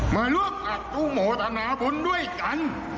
มาร่วมอาจอนุโมทนาบุญด้วยกัน